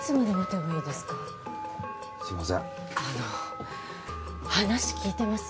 あの話聞いてます？